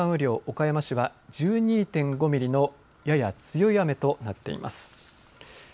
岡山市は１２．５ミリのやや強い雨となっています。